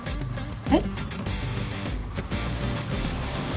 えっ？